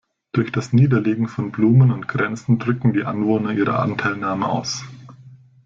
Durch das Niederlegen von Blumen und Kränzen drücken die Anwohner ihre Anteilnahme aus.